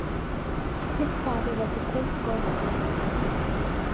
His father was a coastguard officer.